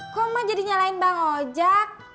kok mbak jadi nyalain bang ojak